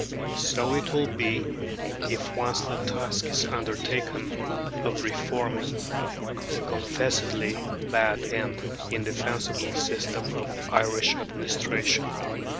So it will be if once the task is undertaken of reforming the confessedly bad and indefensible system of Irish administration.